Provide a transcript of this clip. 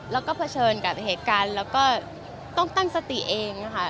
แล้วก็เผชิญกับเหตุการณ์แล้วก็ต้องตั้งสติเองค่ะ